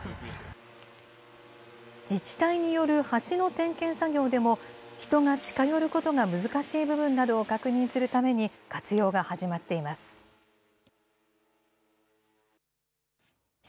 自治体による橋の点検作業でも、人が近寄ることが難しい部分などを確認するために、活用が始まっています。